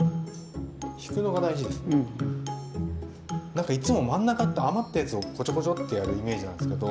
なんかいつも真ん中って余ったやつをこちょこちょってやるイメージなんですけど。